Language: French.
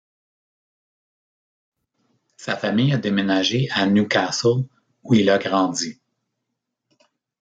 Sa famille a déménagé à Newcastle, où il a grandi.